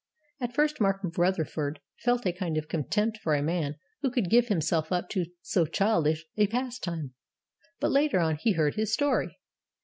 At first Mark Rutherford felt a kind of contempt for a man who could give himself up to so childish a pastime. But, later on, he heard his story.